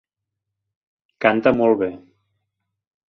Canta molt bé.